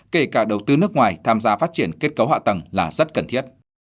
kể cả đầu tư nước ngoài tham gia phát triển kết cấu hạ tầng là rất cần thiết